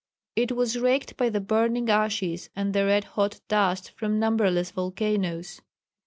It was raked by the burning ashes and the red hot dust from numberless volcanoes.